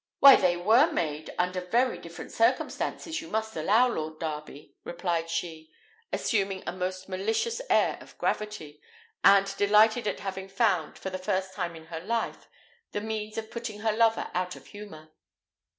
"Why, they were made under very different circumstances, you must allow, Lord Darby," replied she, assuming a most malicious air of gravity, and delighted at having found, for the first time in her life, the means of putting her lover out of humour.